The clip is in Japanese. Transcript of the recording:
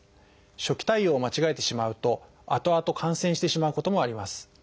初期対応を間違えてしまうとあとあと感染してしまうこともあります。